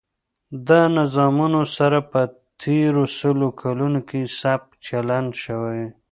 له نظامونو سره په تېرو سلو کلونو کې سپک چلن شوی.